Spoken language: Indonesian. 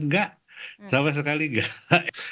tidak sama sekali tidak